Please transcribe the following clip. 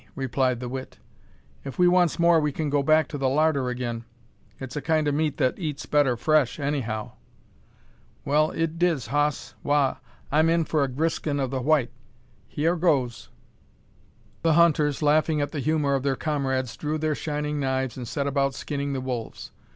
replied the wit; "if we wants more we kin go back to the larder agin. It's a kind o' meat that eats better fresh, anyhow." "Well, it diz, hoss. Wagh! I'm in for a griskin o' the white. Hyar goes!" The hunters, laughing at the humour of their comrades, drew their shining knives, and set about skinning the wolves.